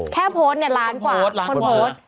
แค่โพสต์เนี่ยล้านกว่าคนโพสต์